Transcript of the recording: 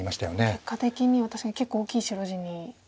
結果的には確かに結構大きい白地に。